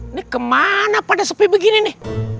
ini kemana pada sepi begini nih